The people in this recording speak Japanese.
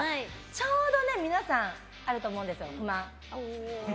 ちょうど皆さんあると思うんですよ、不満。